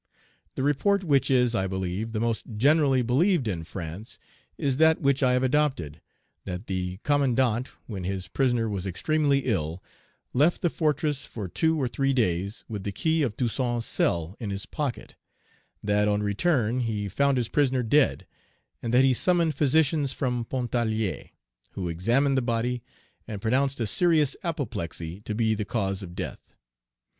The report which is, I believe, the most generally believed in France, is that which I have adopted, that the commandant, when his prisoner was extremely ill, left the fortress for two or three days, with the key of Toussaint's cell in his pocket; that, on his return, he found his prisoner dead; and that he summoned physicians from Pontarlier, who examined the body, and pronounced a serous apoplexy to be the cause of death.